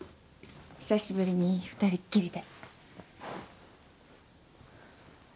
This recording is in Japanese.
久しぶりに２人っきりで。